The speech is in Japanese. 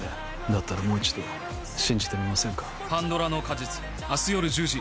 だったらもう一度信じてみませんか？